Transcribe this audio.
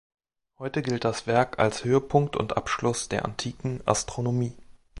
Heute gilt das Werk als Höhepunkt und Abschluss der antiken Astronomie.